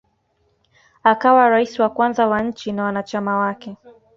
Akawa rais wa kwanza wa nchi na wanachama wake